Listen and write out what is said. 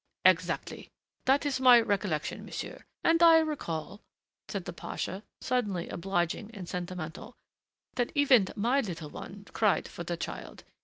"Exactly. That is my recollection, monsieur.... And I recall," said the pasha, suddenly obliging and sentimental, "that even my little one cried for the child.